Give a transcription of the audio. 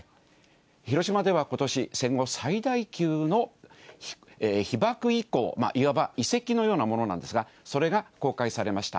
広島ではことし、戦後最大級の被爆遺構、いわば遺跡のようなものなんですが、それが公開されました。